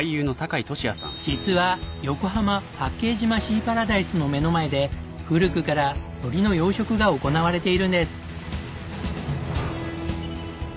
実は横浜・八景島シーパラダイスの目の前で古くから海苔の養殖が行われているんです。